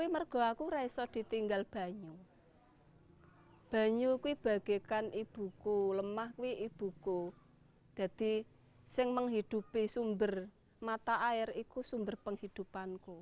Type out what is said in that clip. mata air itu sumber penghidupanku